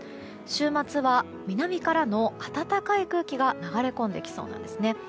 週末は、南からの暖かい空気が流れ込んできそうなんですね。